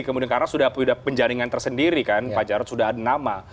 kemudian karena sudah penjaringan tersendiri kan pak jarod sudah ada nama